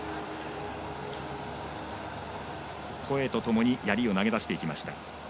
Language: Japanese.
声とともに、やりを投げ出していきました。